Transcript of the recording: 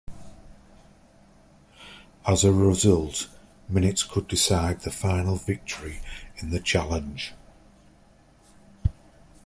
As a result, minutes could decide the final victory in the Challenge.